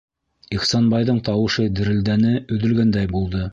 - Ихсанбайҙың тауышы дерелдәне, өҙөлгәндәй булды.